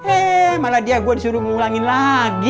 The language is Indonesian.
eh malah dia gue disuruh ngulangin lagi